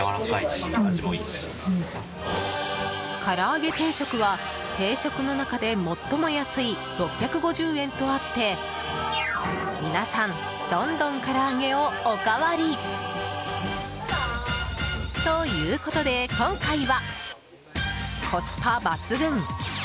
からーげ定食は定食の中で最も安い６５０円とあって、皆さんどんどんから揚げをおかわり！ということで、今回はコスパ抜群！